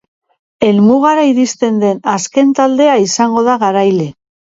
Helmugara iristen den azken taldea izango da garaile.